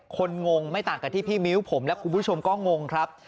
งงไม่ต่างกับที่พี่มิ้วผมและคุณผู้ชมก็งงครับ